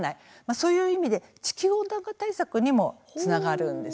そういう意味で地球温暖化対策にもつながるんです。